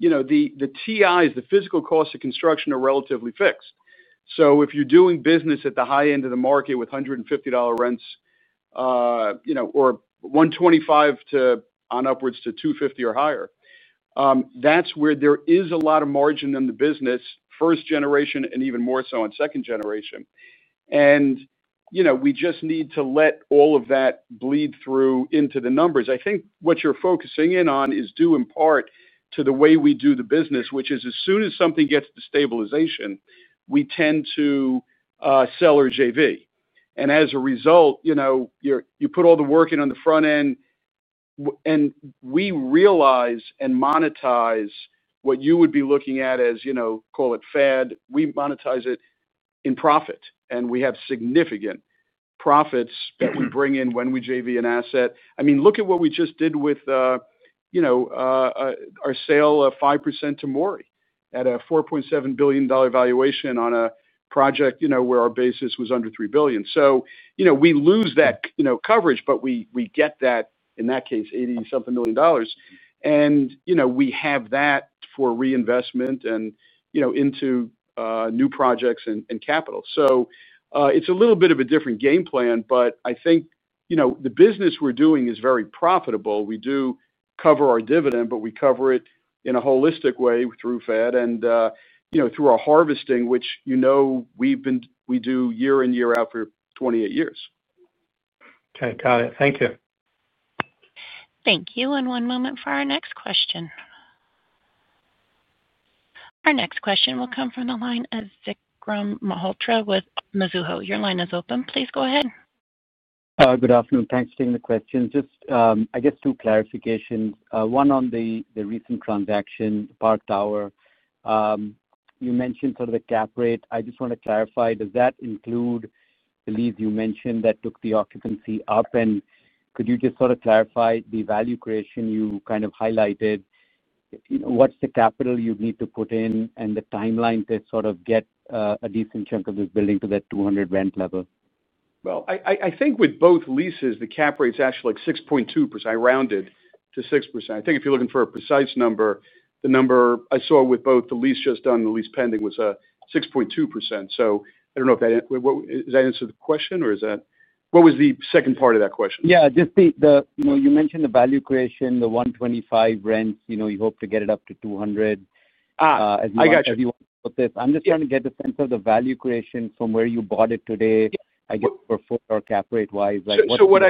the TIs, the physical cost of construction, are relatively fixed. If you're doing business at the high end of the market with $150 rents, or $125 to upwards to $250 or higher, that's where there is a lot of margin in the business, first generation, and even more so on second generation. We just need to let all of that bleed through into the numbers. I think what you're focusing in on is due in part to the way we do the business, which is as soon as something gets to stabilization, we tend to sell our JV. As a result, you put all the work in on the front end, and we realize and monetize what you would be looking at as, you know, call it FAD. We monetize it in profit, and we have significant profits that we bring in when we JV an asset. I mean, look at what we just did with our sale of 5% to MORI at a $4.7 billion valuation on a project where our basis was under $3 billion. We lose that coverage, but we get that, in that case, $80 something million dollars. We have that for reinvestment into new projects and capital. It's a little bit of a different game plan, but I think the business we're doing is very profitable. We do cover our dividend, but we cover it in a holistic way through FAD and through our harvesting, which we've been, we do year in, year out for 28 years. Okay, got it. Thank you. Thank you. One moment for our next question. Our next question will come from the line of Vikram Malhotra with Mizuho. Your line is open. Please go ahead. Good afternoon. Thanks for taking the question. Just, I guess, two clarifications. One on the recent transaction, the Park Avenue Tower. You mentioned sort of the cap rate. I just want to clarify, does that include the lease you mentioned that took the occupancy up? Could you just sort of clarify the value creation you kind of highlighted? You know, what's the capital you'd need to put in and the timeline to sort of get a decent chunk of this building to that $200 rent level? I think with both leases, the cap rate's actually like 6.2%. I rounded to 6%. I think if you're looking for a precise number, the number I saw with both the lease just done and the lease pending was 6.2%. I don't know if that, is that answer the question or is that, what was the second part of that question? Yeah, just the, you know, you mentioned the value creation, the $125 rents, you know, you hope to get it up to $200. I got you. If you want to put this, I'm just trying to get a sense of the value creation from where you bought it today, I guess, for a foot or cap rate-wise. What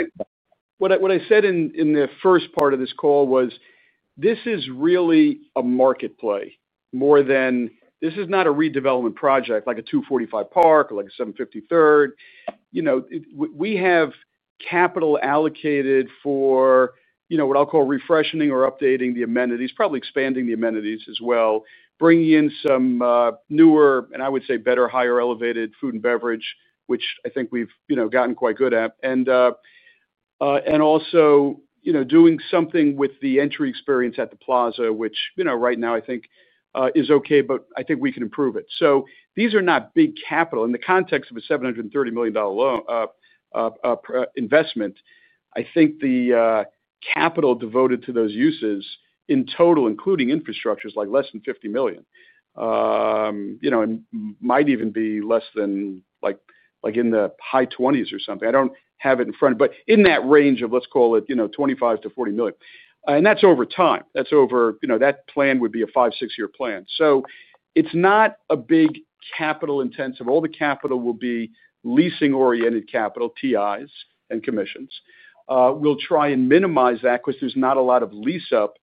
I said in the first part of this call was this is really a market play more than this is not a redevelopment project like a 245 Park or like a 753rd. We have capital allocated for what I'll call refreshing or updating the amenities, probably expanding the amenities as well, bringing in some newer, and I would say better, higher elevated food and beverage, which I think we've gotten quite good at. Also, doing something with the entry experience at the plaza, which right now I think is okay, but I think we can improve it. These are not big capital in the context of a $730 million loan investment. I think the capital devoted to those uses in total, including infrastructures, is less than $50 million. It might even be less than like in the high 2000s or something. I don't have it in front of me, but in that range of, let's call it, $25-$40 million. That's over time. That plan would be a five, six-year plan. It's not a big capital intensive. All the capital will be leasing-oriented capital, TIs, and commissions. We'll try and minimize that because there's not a lot of lease-up.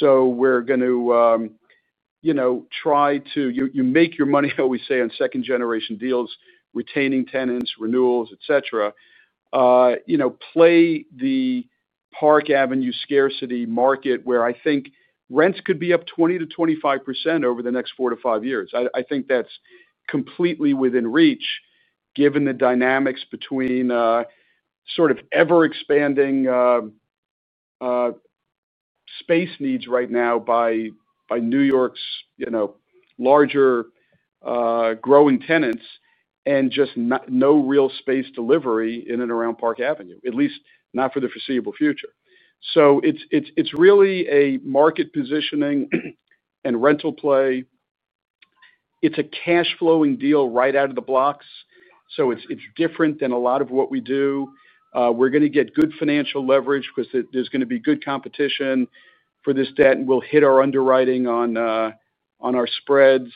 We're going to try to, you make your money, always say, on second-generation deals, retaining tenants, renewals, etc. Play the Park Avenue scarcity market where I think rents could be up 20%-25% over the next four to five years. I think that's completely within reach, given the dynamics between sort of ever-expanding space needs right now by New York's larger growing tenants and just no real space delivery in and around Park Avenue, at least not for the foreseeable future. It's really a market positioning and rental play. It's a cash-flowing deal right out of the blocks. It's different than a lot of what we do. We're going to get good financial leverage because there's going to be good competition for this debt, and we'll hit our underwriting on our spreads.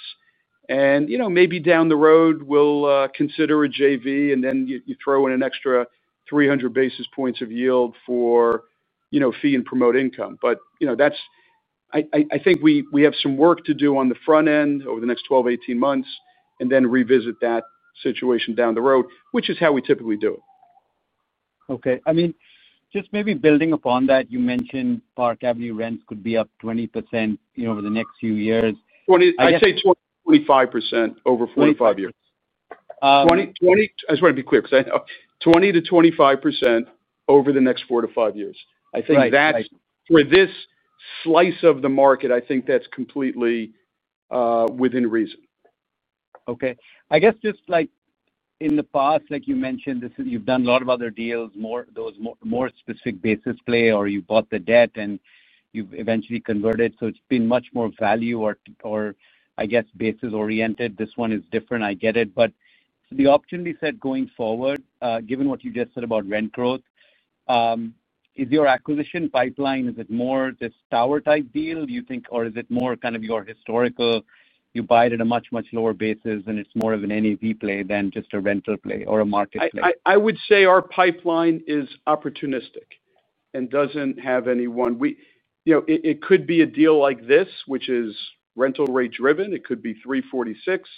Maybe down the road, we'll consider a JV, and then you throw in an extra 300 basis points of yield for fee and promote income. I think we have some work to do on the front end over the next 12, 18 months, and then revisit that situation down the road, which is how we typically do it. Okay. I mean, just maybe building upon that, you mentioned Park Avenue rents could be up 20% over the next few years. I'd say 20%-25% over four to five years. I just want to be clear because I know 20%-25% over the next four to five years. I think that's for this slice of the market, I think that's completely within reason. Okay. I guess just like in the past, like you mentioned, you've done a lot of other deals, more those more specific basis play, or you bought the debt and you've eventually converted. It's been much more value or, I guess, basis-oriented. This one is different. I get it. The option we said going forward, given what you just said about rent growth, is your acquisition pipeline, is it more this tower type deal, do you think, or is it more kind of your historical, you buy it at a much, much lower basis and it's more of an NEV play than just a rental play or a market play? I would say our pipeline is opportunistic and doesn't have any one. It could be a deal like this, which is rental rate driven. It could be 346 Madison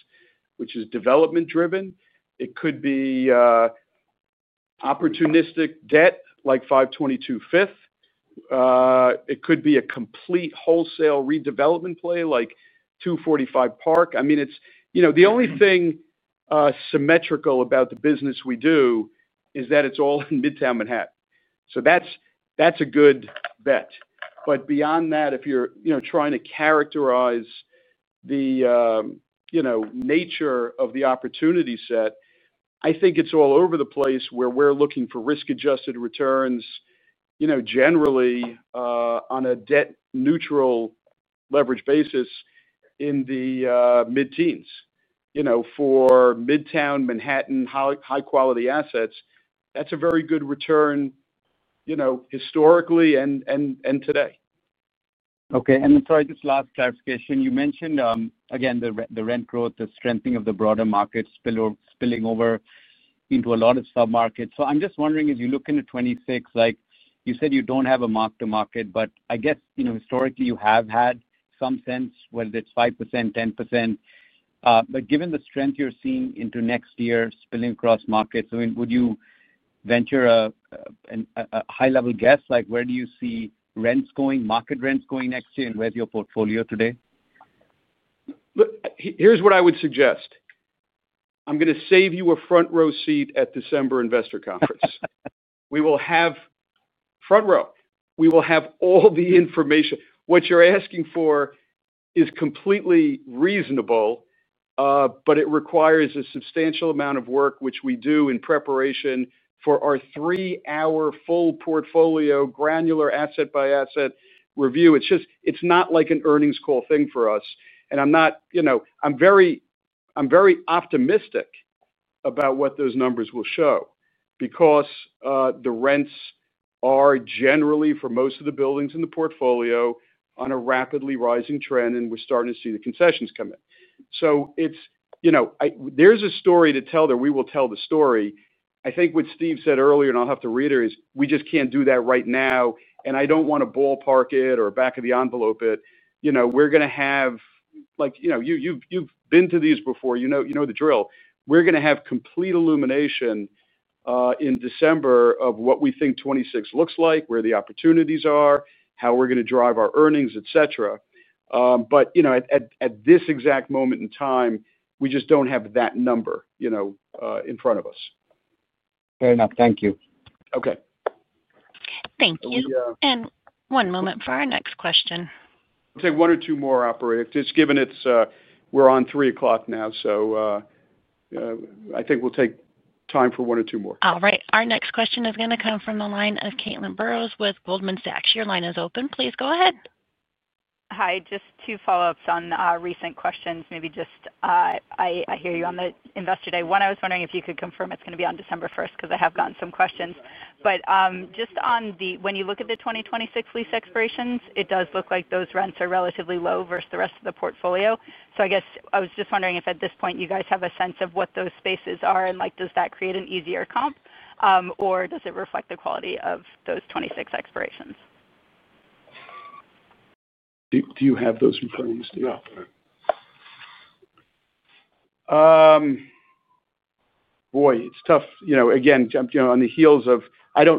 Avenue, which is development driven. It could be opportunistic debt, like 522 Fifth. It could be a complete wholesale redevelopment play like 245 Park. The only thing symmetrical about the business we do is that it's all in Midtown Manhattan. That's a good bet. Beyond that, if you're trying to characterize the nature of the opportunity set, I think it's all over the place. We're looking for risk-adjusted returns, generally on a debt-neutral leverage basis in the mid-teens for Midtown Manhattan high-quality assets. That's a very good return, historically and today. Okay. Sorry, just last clarification. You mentioned, again, the rent growth, the strengthening of the broader market spilling over into a lot of submarkets. I'm just wondering, as you look into 2026, like you said you don't have a mark-to-market, but I guess, you know, historically you have had some sense whether it's 5%, 10%. Given the strength you're seeing into next year spilling across markets, would you venture a high-level guess, like where do you see rents going, market rents going next year, and where's your portfolio today? Here's what I would suggest. I'm going to save you a front row seat at the December investor conference. We will have front row. We will have all the information. What you're asking for is completely reasonable, but it requires a substantial amount of work, which we do in preparation for our three-hour full portfolio granular asset-by-asset review. It's just not like an earnings call thing for us. I'm very optimistic about what those numbers will show because the rents are generally for most of the buildings in the portfolio on a rapidly rising trend, and we're starting to see the concessions come in. There's a story to tell there. We will tell the story. I think what Steve said earlier, and I'll have to reiterate, is we just can't do that right now. I don't want to ballpark it or back of the envelope it. You've been to these before, you know the drill. We're going to have complete illumination in December of what we think 2026 looks like, where the opportunities are, how we're going to drive our earnings, etc. At this exact moment in time, we just don't have that number in front of us. Fair enough. Thank you. Okay. Thank you. One moment for our next question. I'll take one or two more. It's given it's, we're on 3:00 P.M. now, so I think we'll take time for one or two more. All right. Our next question is going to come from the line of Caitlin Burrows with Goldman Sachs. Your line is open. Please go ahead. Hi, just two follow-ups on recent questions. I hear you on the investor day. One, I was wondering if you could confirm it's going to be on December 1, because I have gotten some questions. When you look at the 2026 lease expirations, it does look like those rents are relatively low versus the rest of the portfolio. I was just wondering if at this point you guys have a sense of what those spaces are, and does that create an easier comp, or does it reflect the quality of those 2026 expirations? Do you have those recordings, Steve? No. Boy, it's tough. You know, again, on the heels of,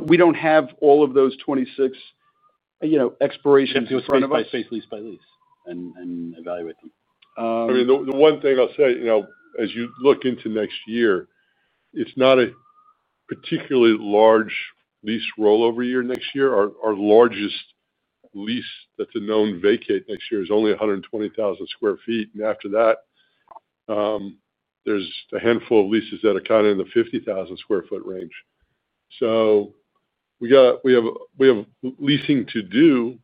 we don't have all of those 26, you know, expirations in front of us. Just do a space lease by lease and evaluate them. I mean, the one thing I'll say, as you look into next year, it's not a particularly large lease rollover year next year. Our largest lease that's a known vacant next year is only 120,000 sq ft. After that, there's a handful of leases that are kind of in the 50,000 sq ft range. We have leasing to do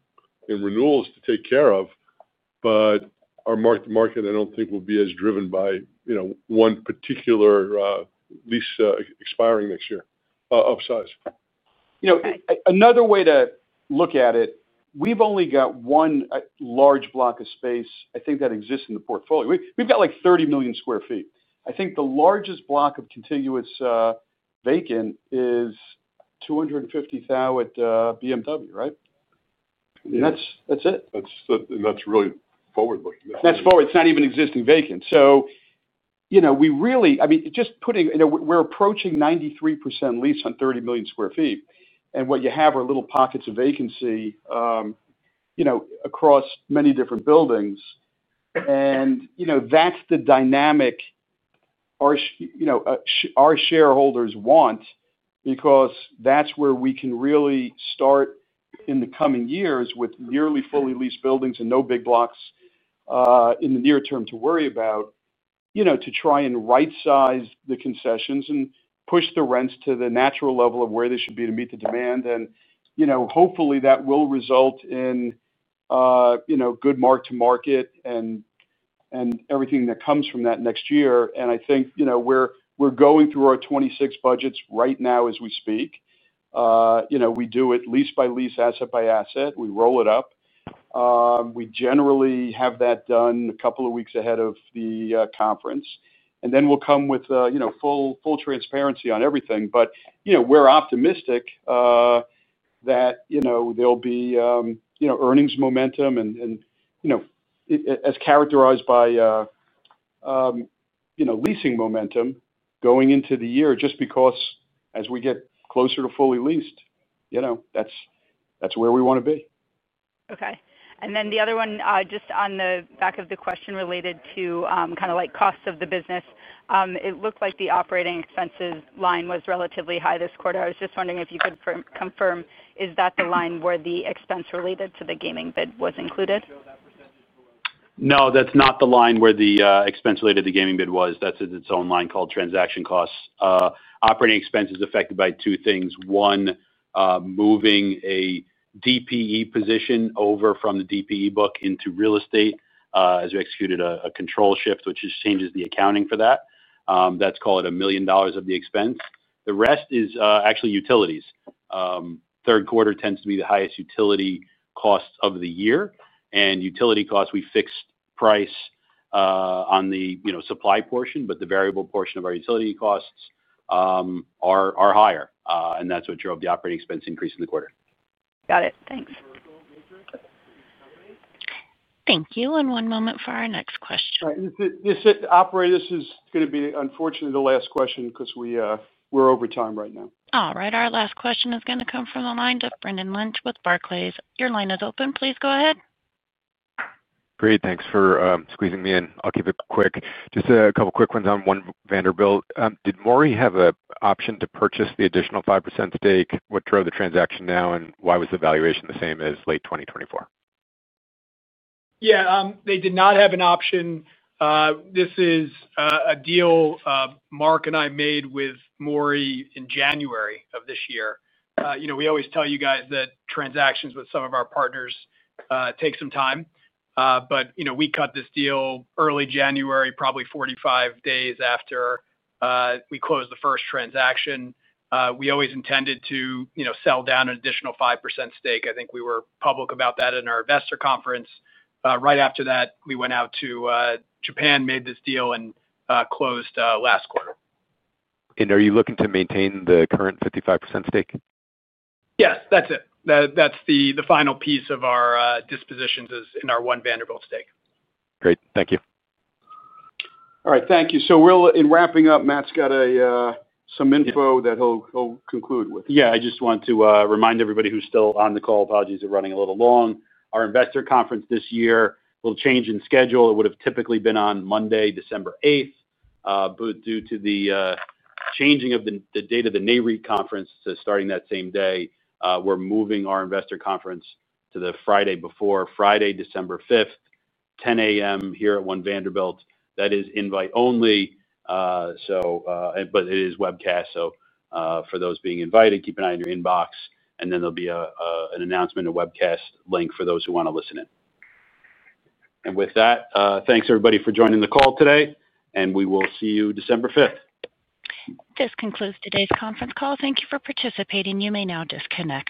and renewals to take care of, but our mark-to-market, I don't think, will be as driven by one particular lease expiring next year of size. Another way to look at it, we've only got one large block of space I think that exists in the portfolio. We've got like 30 million sq ft. I think the largest block of continuous vacant is 250,000 at BMW, right? That's it. That's really forward-looking. That's forward. It's not even existing vacant. We really, just putting, we're approaching 93% leased on 30 million sq ft. What you have are little pockets of vacancy across many different buildings. That's the dynamic our shareholders want because that's where we can really start in the coming years with nearly fully leased buildings and no big blocks in the near term to worry about, to try and right-size the concessions and push the rents to the natural level of where they should be to meet the demand. Hopefully that will result in good mark-to-market and everything that comes from that next year. I think we're going through our 2026 budgets right now as we speak. We do it lease by lease, asset by asset. We roll it up. We generally have that done a couple of weeks ahead of the conference. Then we'll come with full transparency on everything. We're optimistic that there'll be earnings momentum and, as characterized by, leasing momentum going into the year, just because as we get closer to fully leased, that's where we want to be. Okay. The other one, just on the back of the question related to kind of like costs of the business, it looked like the operating expenses line was relatively high this quarter. I was just wondering if you could confirm, is that the line where the expense related to the gaming bid was included? No, that's not the line where the expense related to the gaming bid was. That's its own line called transaction costs. Operating expenses affected by two things. One, moving a DPE position over from the DPE book into real estate as we executed a control shift, which changes the accounting for that. That's about $1 million of the expense. The rest is actually utilities. The third quarter tends to be the highest utility costs of the year. Utility costs, we fixed price on the supply portion, but the variable portion of our utility costs are higher. That's what drove the operating expense increase in the quarter. Got it. Thanks. Thank you. One moment for our next question. This is going to be unfortunately the last question because we're over time right now. All right. Our last question is going to come from the lines of Brendan Lynch with Barclays. Your line is open. Please go ahead. Great. Thanks for squeezing me in. I'll keep it quick. Just a couple of quick ones on One Vanderbilt. Did MORI have an option to purchase the additional 5% stake? What drove the transaction down, and why was the valuation the same as late 2024? Yeah, they did not have an option. This is a deal Marc and I made with MORI in January of this year. We always tell you guys that transactions with some of our partners take some time. We cut this deal early January, probably 45 days after we closed the first transaction. We always intended to sell down an additional 5% stake. I think we were public about that in our investor conference. Right after that, we went out to Japan, made this deal, and closed last quarter. Are you looking to maintain the current 55% stake? Yes, that's it. That's the final piece of our dispositions is in our One Vanderbilt stake. Great. Thank you. All right, thank you. In wrapping up, Matt's got some info that he'll conclude with. Yeah, I just want to remind everybody who's still on the call, apologies for running a little long. Our investor conference this year will change in schedule. It would have typically been on Monday, December 8, but due to the changing of the date of the NAIRI conference, starting that same day, we're moving our investor conference to the Friday before, Friday, December 5, 10:00 A.M. here at One Vanderbilt. That is invite only. It is webcast. For those being invited, keep an eye on your inbox, and there will be an announcement, a webcast link for those who want to listen in. With that, thanks everybody for joining the call today, and we will see you December 5th. This concludes today's conference call. Thank you for participating. You may now disconnect.